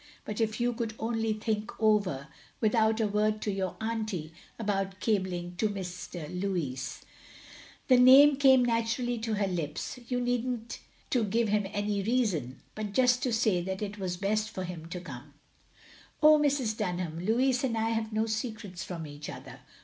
But if you could only think over — OP GROSVENOR SQUARE 53 without a word to your auntie — about cabling to Mr. Louis —" the name came naturally to her lips —you needn't to give him any reason, but just to say as it was best for him to come." " Oh, Mrs. Dunham, Louis and I have no secrets from each other.